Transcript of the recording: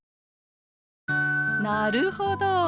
なるほど。